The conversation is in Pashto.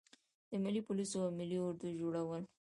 د ملي پولیسو او ملي اردو جوړول.